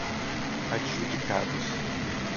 adjudicados